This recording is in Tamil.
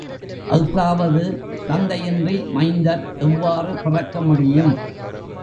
அஃதாவது தந்தையின்றி மைந்தர் எவ்வாறு பிறக்க முடியும்?